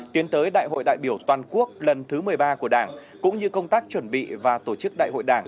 tiến tới đại hội đại biểu toàn quốc lần thứ một mươi ba của đảng cũng như công tác chuẩn bị và tổ chức đại hội đảng